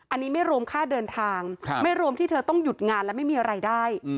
อันนี้ไม่รวมค่าเดินทางไม่รวมที่เธอต้องหยุดงานและไม่มีรายได้